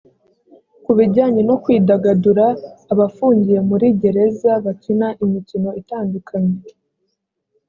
ku bijyanye no kwidagadura abafungiye muri gereza bakina imikino itandukany.